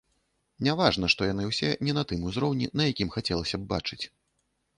Не важна, што яны ўсе не на тым узроўні, на якім хацелася б бачыць.